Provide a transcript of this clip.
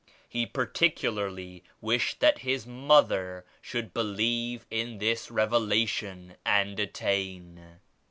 He particularly wished that His mother should believe in this Revelation and at tain.